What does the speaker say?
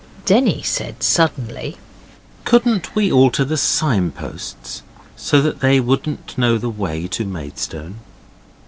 Denny said suddenly 'Couldn't we alter the sign posts, so that they wouldn't know the way to Maidstone?